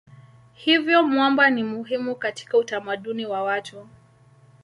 Hivyo mwamba ni muhimu katika utamaduni wa watu.